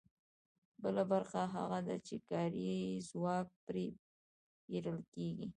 بله برخه هغه ده چې کاري ځواک پرې پېرل کېږي